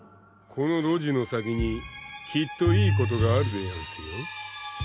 この路地の先にきっといいことがあるでやんすよ。